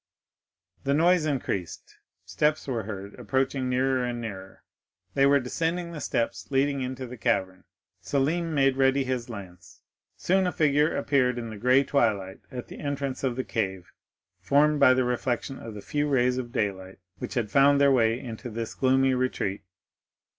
"The noise increased; steps were heard approaching nearer and nearer; they were descending the steps leading to the cavern. Selim made ready his lance. Soon a figure appeared in the gray twilight at the entrance of the cave, formed by the reflection of the few rays of daylight which had found their way into this gloomy retreat.